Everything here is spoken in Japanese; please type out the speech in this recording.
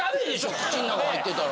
口ん中入ってたら。